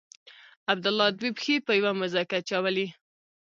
عبدالله دوې پښې په یوه موزه کې اچولي.